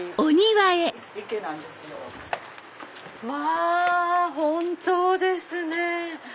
まぁ本当ですね！